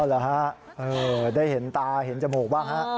เหรอฮะได้เห็นตาเห็นจมูกบ้างฮะ